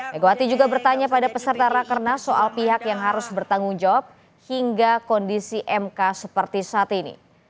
megawati juga bertanya pada peserta rakernas soal pihak yang harus bertanggung jawab hingga kondisi mk seperti saat ini